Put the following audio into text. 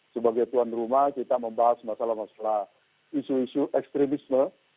sebagai tuan rumah kita membahas masalah masalah isu isu ekstremisme